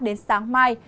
đến sáng mai